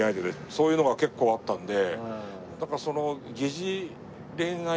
そういうのが結構あったんでなんか。